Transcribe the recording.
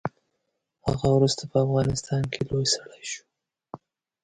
هغه وروسته په افغانستان کې لوی سړی شو.